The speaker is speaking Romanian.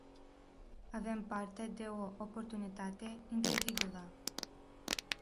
Avem parte de o oportunitate incredibilă.